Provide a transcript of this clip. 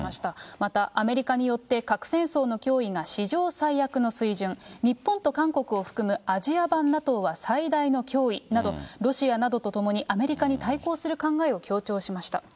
また、アメリカによって、核戦争の脅威が史上最悪の水準、日本と韓国を含むアジア版ＮＡＴＯは最大の脅威など、ロシアなどとともにアメリカに対抗する考えを強調しました。